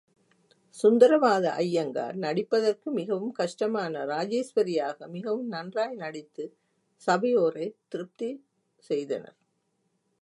சுந்தரவரத ஐயங்கார், நடிப்பதற்கு மிகவும் கஷ்டமான ராஜேஸ்வரி யாக மிகவும் நன்றாய் நடித்துச் சபையோரைத் திர்ப்தி செய்தனர்.